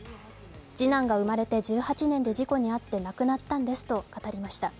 次男が生まれて１８年で事故に遭って亡くなったんですと語りました。